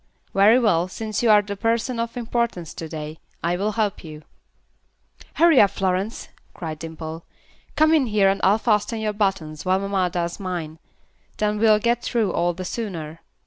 "Very well, since you are the person of importance to day, I will help you." "Hurry up, Florence," cried Dimple. "Come in here and I'll fasten your buttons while mamma does mine; then we'll get through all the sooner."